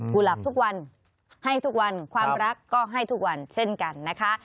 หลับทุกวันให้ทุกวันความรักก็ให้ทุกวันเช่นกันนะคะ